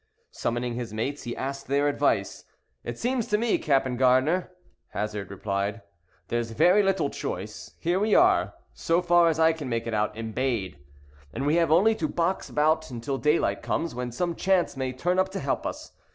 Summoning his mates, he asked their advice. "It seems to me, Captain Gar'ner," Hazard replied, "there's very little choice. Here we are, so far as I can make it out, embayed, and we have only to box about until daylight comes, when some chance may turn up to help us.